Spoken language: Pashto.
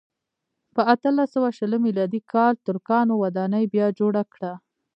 په اتلس سوه شلم میلادي کال ترکانو ودانۍ بیا جوړه کړه.